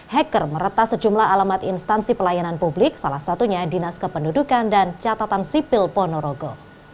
hacker meretas sejumlah alamat instansi pelayanan publik salah satunya dinas kependudukan dan catatan sipil ponorogo